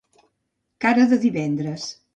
Cara de divendres.